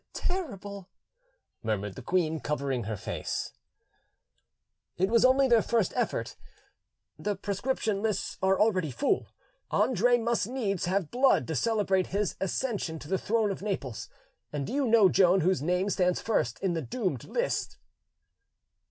"Terrible!" murmured the queen, covering her face. "It was only their first effort; the proscription lists are already full: Andre must needs have blood to celebrate his accession to the throne of Naples. And do you know, Joan, whose name stands first in the doomed list?"